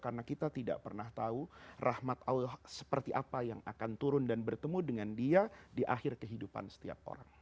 karena kita tidak pernah tahu rahmat allah seperti apa yang akan turun dan bertemu dengan dia di akhir kehidupan setiap orang